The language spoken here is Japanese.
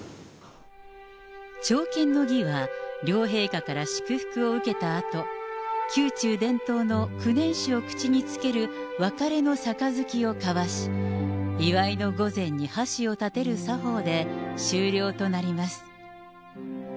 朝見の儀は、両陛下から祝福を受けたあと、宮中伝統の九年酒を口につける、別れの杯を交わし、祝いの御膳に箸を立てる作法で終了となります。